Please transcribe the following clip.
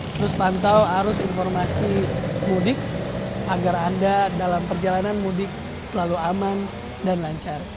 terus pantau arus informasi mudik agar anda dalam perjalanan mudik selalu aman dan lancar